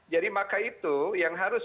jadi maka itu yang harus